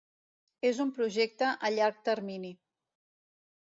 És un projecte a llarg termini.